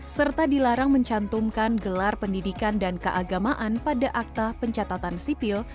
serta dilarang mencantumkan gelar pendidikan dan keagamaan pada akta pencatatan sipil